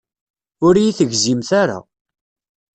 Ur iyi-tegzimt ara.